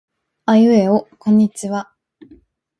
あいうえおこんにちは。